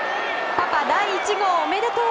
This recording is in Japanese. パパ第１号、おめでとう。